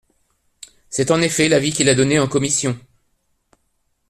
C’est, en effet, l’avis qu’il a donné en commission.